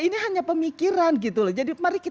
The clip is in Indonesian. ini hanya pemikiran gitu loh jadi